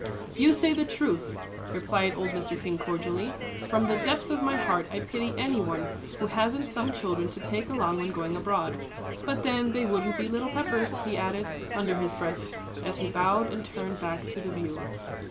"You say the truth," replied old Mr. King, cordially; "from the depths of my heart I pity any one who hasn't some children to take along when going abroad. But then they wouldn't be little Peppers," he added, under his breath, as he bowed and turned back to the view.